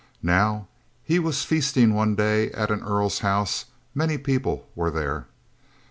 Now he was feasting one day at an earl's house. Many people were there.